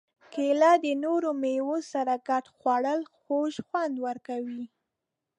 کېله د نورو مېوو سره ګډه خوړل خوږ خوند ورکوي.